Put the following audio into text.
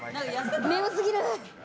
眠過ぎる。